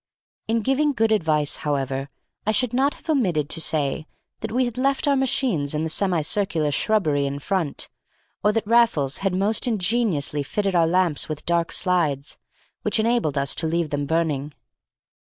In giving good advice, however, I should not have omitted to say that we had left our machines in the semi circular shrubbery in front, or that Raffles had most ingeniously fitted our lamps with dark slides, which enabled us to leave them burning.